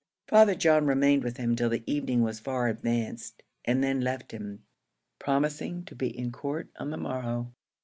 Father John remained with him till the evening was far advanced, and then left him, promising to be in court on the morrow.